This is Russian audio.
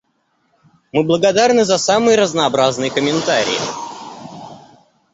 Мы благодарны за самые разнообразные комментарии.